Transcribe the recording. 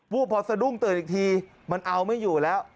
หู้บพอสะดุ้งเติบอีกทีมันเอาไม่อยู่แล้ว